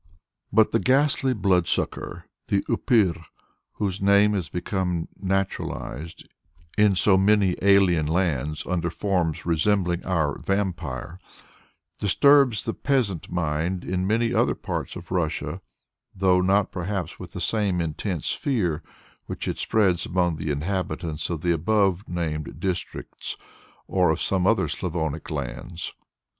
But the ghastly blood sucker, the Upir, whose name has become naturalized in so many alien lands under forms resembling our "Vampire," disturbs the peasant mind in many other parts of Russia, though not perhaps with the same intense fear which it spreads among the inhabitants of the above named districts, or of some other Slavonic lands.